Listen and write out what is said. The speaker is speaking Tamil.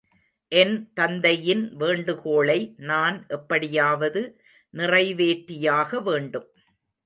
என் தந்தையின் வேண்டுகோளை நான் எப்படியாவது நிறைவேற்றியாக வேண்டும்.